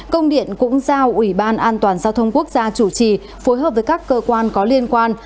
công điện cũng giao ủy ban an toàn giao thông quốc gia chủ trì phối hợp với các cơ quan có liên quan